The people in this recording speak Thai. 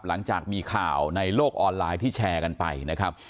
หลังจากมีข่าวในโลกออนไลน์ที่แชร์กันไปนะครับ